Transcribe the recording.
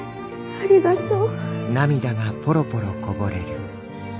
ありがとう。